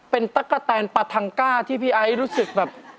เป็นตั๊กกะแตนปลาทังก้าที่พี่ไอซ์รู้สึกแบบ